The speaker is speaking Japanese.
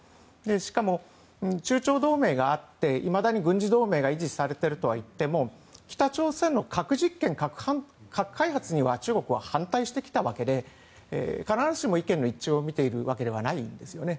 しかも、中朝同盟があっていまだに軍事同盟が維持されているとはいっても北朝鮮の核実験・核開発には中国は反対してきたわけで必ずしも意見の一致を見ているわけではないんですよね。